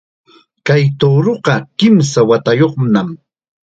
Kay tuuruqa kimsa watayuqnam